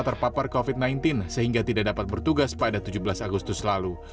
terpapar covid sembilan belas sehingga tidak dapat bertugas pada tujuh belas agustus lalu